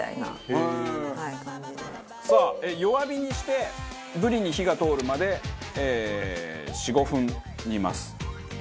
へえー！さあ弱火にしてブリに火が通るまで４５分煮ます。